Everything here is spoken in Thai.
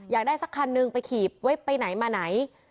ได้สักคันนึงไปขีบไว้ไปไหนมาไหน